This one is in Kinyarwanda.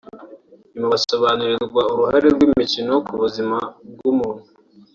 nyuma basobanurirwa uruhare rw’imikino ku buzima bw’umuntu